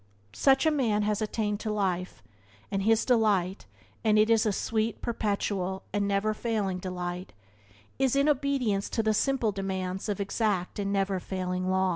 Such a man has attained to life, and his delight (and it is a sweet, perpetual, and never failing delight) is in obedience to the simple demands of exact and never failing law.